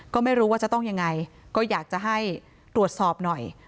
ก็ไม่รู้ว่าจะต้องยังไงก็อยากจะให้ตรวจสอบหน่อย